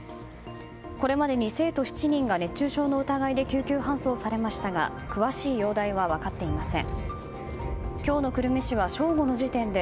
これまでに生徒７人が熱中症の疑いで救急搬送されましたが詳しい容体は分かっていません。